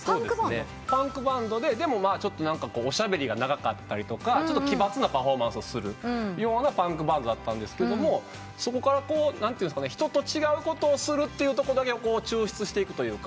パンクバンドでおしゃべりが長かったりとか奇抜なパフォーマンスをするようなパンクバンドだったんですがそこから人と違うことをするっていうとこだけを抽出していくというか。